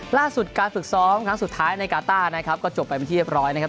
ล่าสุดการฝึกซ้อมครั้งสุดท้ายในกาต้านะครับก็จบไปเป็นที่เรียบร้อยนะครับ